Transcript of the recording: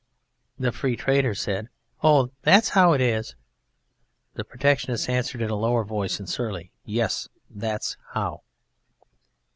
The Free Trader said, "O! that's how it is, is it?" The Protectionist answered in a lower voice and surly, "Yes: that's how."